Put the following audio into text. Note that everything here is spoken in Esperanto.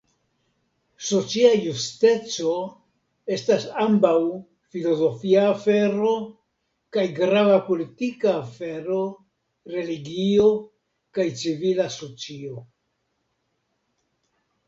Socia justeco estas ambaŭ filozofia afero kaj grava politika afero, religio, kaj civila socio.